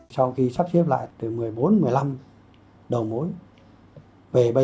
sau khi sắp xếp lại từ một mươi bốn một mươi năm đầu mối